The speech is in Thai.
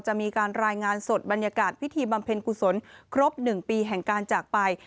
จะมีการรายงานสดบรรยากาศพิธีบำเพ็ญกุศลครบ๑ปีแห่งการจากไป